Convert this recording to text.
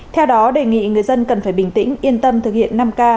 theo đó đề nghị người dân cần phải bình tĩnh yên tâm thực hiện năm k